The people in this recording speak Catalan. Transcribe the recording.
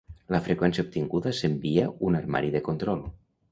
La freqüència obtinguda s'envia un armari de control.